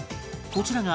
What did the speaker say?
こちらも。